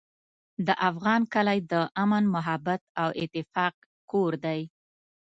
د افغان کلی د امن، محبت او اتفاق کور دی.